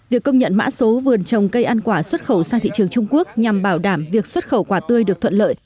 việc công nhận mã số vườn trồng cây ăn quả xuất khẩu sang thị trường trung quốc nhằm bảo đảm việc xuất khẩu quả tươi được thuận lợi